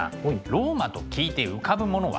ローマと聞いて浮かぶものは？